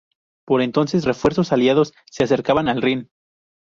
Por entonces, refuerzos aliados se acercaban al Rin.